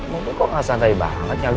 ini mobil kok gak santai banget nyali